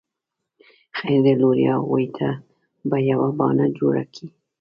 خير دی لورې اغوئ ته به يوه بانه جوړه کې.